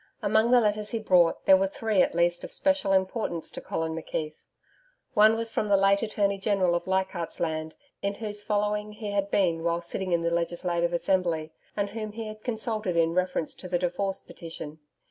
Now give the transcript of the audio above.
Among the letters he brought, there were three at least of special importance to Colin McKeith. One was from the late Attorney General of Leichardt's Land, in whose following he had been while sitting in the Legislative Assembly, and whom he had consulted in reference to the Divorce petition.